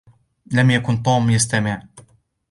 لم يكن توم يستمع.